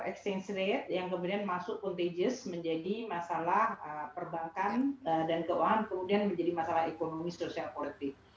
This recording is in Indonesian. exchange rate yang kemudian masuk contagious menjadi masalah perbankan dan keuangan kemudian menjadi masalah ekonomi sosial politik